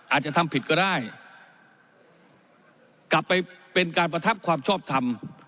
อาจจะทำผิดก็ได้กลับไปเป็นการประทับความชอบทำ